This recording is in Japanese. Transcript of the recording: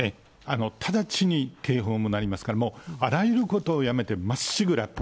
直ちに警報も鳴りますから、あらゆることをやめて、まっしぐら。